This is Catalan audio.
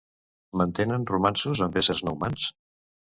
Mantenen romanços amb éssers no humans?